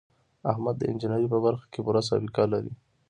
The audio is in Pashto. احمد د انجینرۍ په برخه کې پوره سابقه لري.